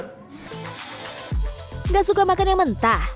tidak suka makan yang mentah